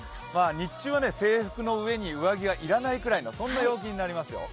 日中は制服の上に上着はいらないくらいのそんな陽気になりますよ。